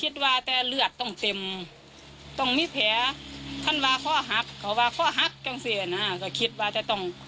แล้วก็เราเถ้าไปหารถ